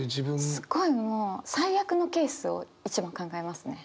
すごいもう最悪のケースを一番考えますね。